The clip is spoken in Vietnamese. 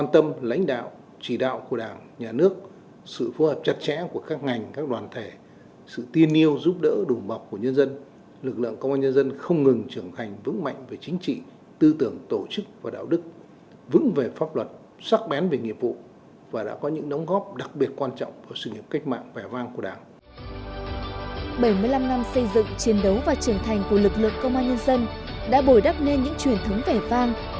bảy mươi năm năm xây dựng chiến đấu và trưởng thành của lực lượng công an nhân dân đã bồi đắp nên những truyền thống vẻ vang